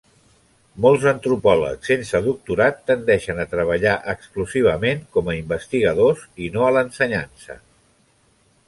Molts antropòlegs sense doctorat tendeixen a treballar exclusivament com a investigadors i no a l'ensenyança.